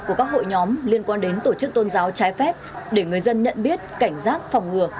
của các hội nhóm liên quan đến tổ chức tôn giáo trái phép để người dân nhận biết cảnh giác phòng ngừa